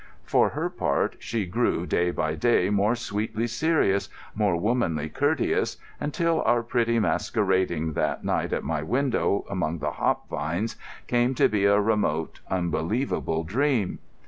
For her part, she grew day by day more sweetly serious, more womanly courteous, until our pretty masquerading that night at my window among the hop vines came to be a remote, unbelievable dream.